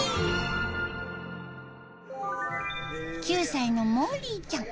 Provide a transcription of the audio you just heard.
９歳のモーリーちゃん。